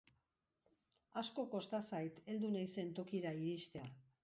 Asko kosta zait heldu naizen tokira iristea.